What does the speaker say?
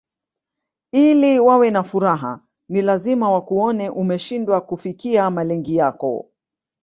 Ili wawe na furaha ni lazina wakuone umeshindwa kufikia malengi yako